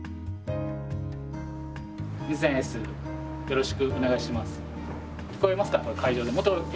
よろしくお願いします。